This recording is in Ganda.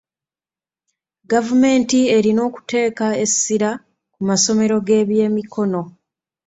Gavumenti erina okuteeka essira ku masomero g'ebyemikono.